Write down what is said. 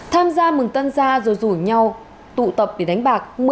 tham gia mừng tân gia rồi rủ nhau tụ tập để đánh bạc